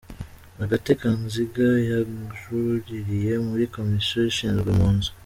Agathe Kanziga yajuririye muri Komisiyo ishinzwe impunzi.